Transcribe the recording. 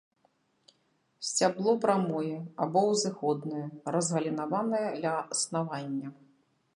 Сцябло прамое або узыходнае, разгалінаванае ля аснавання.